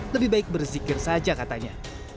lebih baik berzikir saja katanya